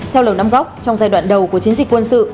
theo lầu năm góc trong giai đoạn đầu của chiến dịch quân sự